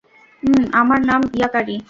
উম, আমার নাম ইয়াকারি।